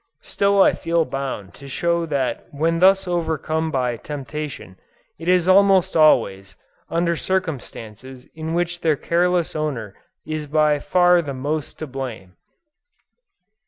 Still I feel bound to show that when thus overcome by temptation, it is almost always, under circumstances in which their careless owner is by far the most to blame.